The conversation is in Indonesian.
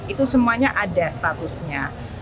itu semuanya ada statusnya